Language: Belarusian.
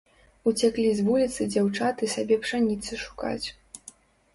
Уцяклі з вуліцы дзяўчаты сабе пшаніцы шукаць.